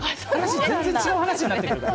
全然、違う話になるから。